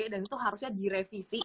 dan itu harusnya direvisi